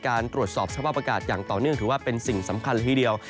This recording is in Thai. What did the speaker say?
ตรวจสอบสภาพอากาศอย่างต่อเนื่องถือว่าเป็นสิ่งสำคัญเลยทีเดียว